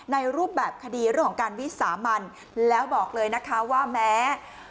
รูปแบบคดีเรื่องของการวิสามันแล้วบอกเลยนะคะว่าแม้